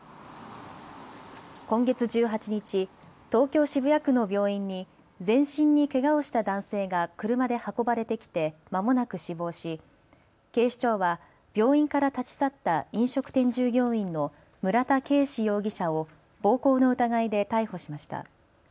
今月１８日、東京渋谷区の病院に全身にけがをした男性が車で運ばれてきてまもなく死亡し警視庁は病院から立ち去った飲食店従業員の村田圭司容疑者を暴行の疑いで逮捕しました。